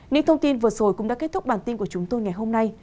những thông tin vừa rồi cũng đã kết thúc bản tin của chúng tôi ngày hôm nay